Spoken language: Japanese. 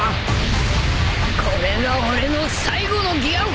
これが俺の最後のギア４だ！